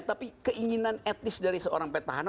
tapi keinginan etnis dari seorang petahana